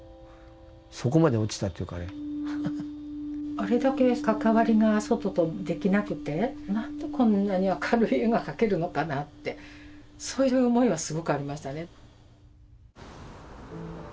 あれだけ関わりが外とできなくて何でこんなに明るい絵が描けるのかなってそういう思いはすごくありましたね。